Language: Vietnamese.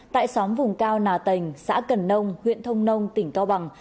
tại xóm vùng cao nà tành xã cần nông huyện thông nông tỉnh cao bằng